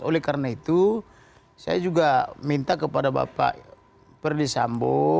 oleh karena itu saya juga minta kepada bapak perdisambo